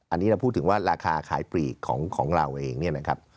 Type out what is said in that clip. อันนี้เราพูดถึงว่าราคาขายปลีกของเราเองเนี่ยนะครับ